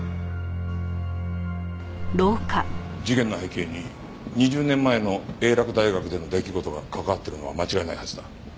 事件の背景に２０年前の英洛大学での出来事が関わってるのは間違いないはずだ。